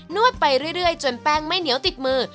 วดไปเรื่อยจนแป้งไม่เหนียวติดมือ